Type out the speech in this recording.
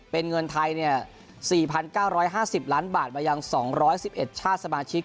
เป็นเงินไทย๔๙๕๐ล้านบาทมายัง๒๑๑ชาติสมาชิก